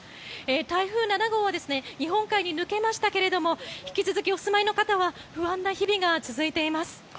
台風７号は日本海に抜けましたが引き続き、お住まいの方は不安な日々が続いています。